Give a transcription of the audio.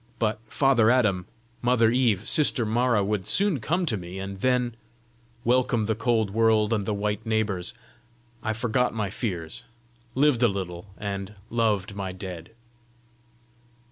But father Adam, mother Eve, sister Mara would soon come to me, and then welcome the cold world and the white neighbours! I forgot my fears, lived a little, and loved my dead.